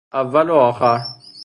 اول و آخر